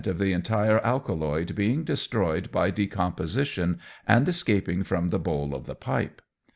of the entire alkaloid being destroyed by decomposition, and escaping from the bowl of the pipe.